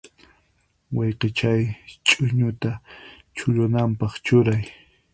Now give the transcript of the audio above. Wayqichay, ch'uñuta chullunanpaq churay.